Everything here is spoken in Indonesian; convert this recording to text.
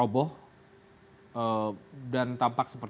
bagaimana nasional dari sisi oo